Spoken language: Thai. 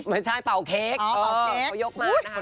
ไม่ใช่เป่าเค้ก